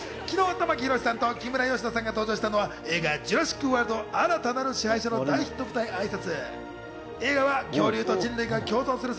昨日、玉木宏さんと木村佳乃さんが登場したのは、映画『ジュラシック・ワールド／新たなる支配者』の大ヒット舞台挨拶。